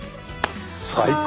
最高。